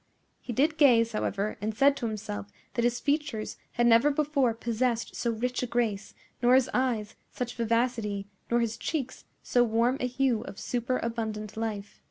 He did gaze, however, and said to himself that his features had never before possessed so rich a grace, nor his eyes such vivacity, nor his cheeks so warm a hue of superabundant life.